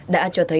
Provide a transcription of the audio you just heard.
đã cho thấy